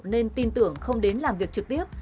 nên tin tưởng không đến làm việc trực tiếp